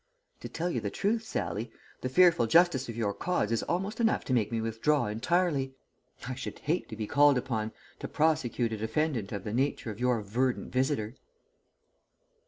To tell you the truth, Sallie, the fearful justice of your cause is almost enough to make me withdraw entirely. I should hate to be called upon to prosecute a defendant of the nature of your verdant visitor."